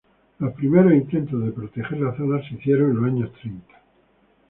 Los primeros intentos de proteger la zona se hicieron en los años treinta.